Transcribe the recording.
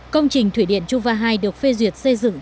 công trình thủy điện chu và hai được phê duyệt xây dựng